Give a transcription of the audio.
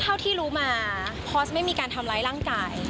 เท่าที่รู้มาพอสไม่มีการทำร้ายร่างกาย